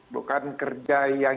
bukan kerja yang